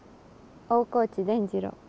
大河内傳次郎。